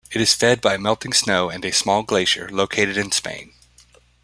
It is fed by a melting snow and a small glacier, located in Spain.